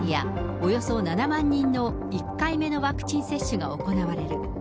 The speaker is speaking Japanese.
およそ７万人の１回目のワクチン接種が行われる。